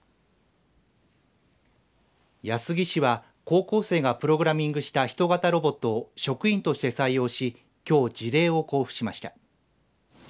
安来市は高校生がプログラミングした人型ロボットを職員として採用しきょう辞令を交付しました。